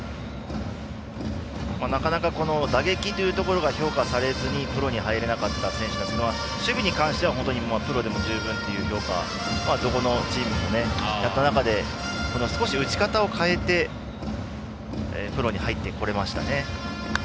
なかなか打撃というところが評価されずにプロに入れなかった選手ですが守備に関してはプロでも十分というのはどこのチームもやった中で少し打ち方を変えてプロに入ってこられましたね。